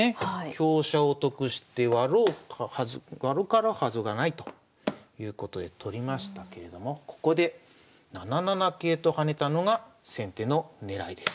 香車を得してわろかるはずがないということで取りましたけれどもここで７七桂と跳ねたのが先手の狙いです。